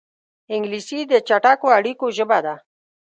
انګلیسي د چټکو اړیکو ژبه ده